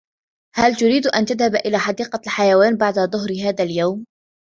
هل تريد أن تذهب إلى حديقة الحيوان بعد ظهر هذا اليوم ؟